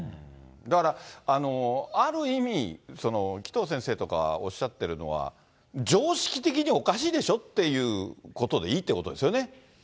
だから、ある意味、紀藤先生とかおっしゃってるのは、常識的におかしいでしょっていうことでいいということですよね。